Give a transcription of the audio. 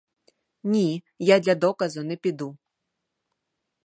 Ні, я для доказу не піду.